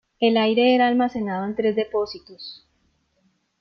El aire era almacenado en tres depósitos.